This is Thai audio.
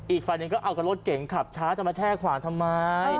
อีกฝ่ายหนึ่งก็เอากับรถเก่งขับช้าจะมาแช่ขวาทำไม